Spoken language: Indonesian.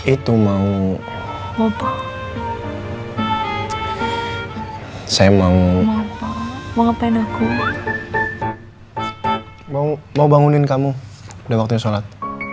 itu mau bopo saya mau mau ngapain aku mau mau bangunin kamu dewa tesolat